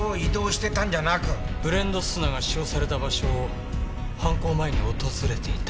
ブレンド砂が使用された場所を犯行前に訪れていた。